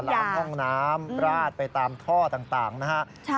ล้างห้องน้ำราดไปตามท่อต่างนะฮะ